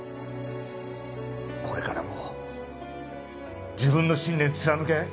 これからも自分の信念貫け新！